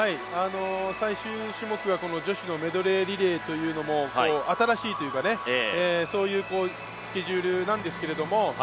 最終種目が女子のメドレーリレーというのも新しいというか、そういうスケジュールなんですけれども。